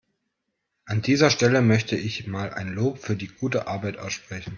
An dieser Stelle möchte ich mal ein Lob für die gute Arbeit aussprechen.